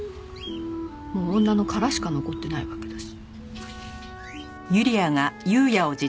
もう女の殻しか残ってないわけだし。